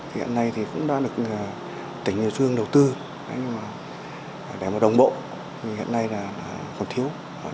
hiện nay thì cũng đã được tỉnh hải dương đầu tư để đồng bộ nhưng hiện nay là còn thiếu